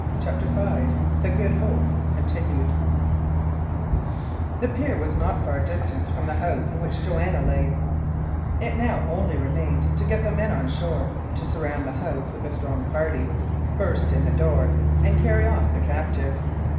CHAPTER V THE GOOD HOPE (continued) The pier was not far distant from the house in which Joanna lay; it now only remained to get the men on shore, to surround the house with a strong party, burst in the door and carry off the captive.